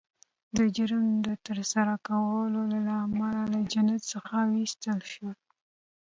د جرم د ترسره کولو له امله له جنت څخه وایستل شول